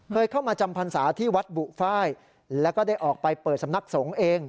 เคยเข้ามาจำพรรษาที่วัดบุฟ้ายแล้วก็ได้ออกไปเปิดสำนักสงฆ์เอง